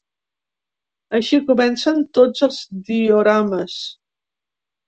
Així comencen tots els diorames.